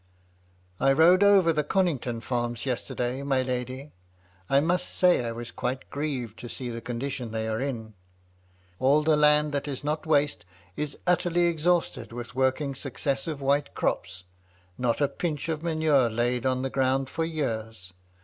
"I rode over the Conington farms yesterday, my lady. I must say I was quite grieved to see the con dition they are in ; all the land that is not waste is utterly exhausted with working successive white crops. Not a pinch of manure laid on the ground for years.